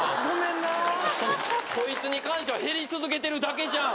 こいつに関しては減り続けてるだけじゃん。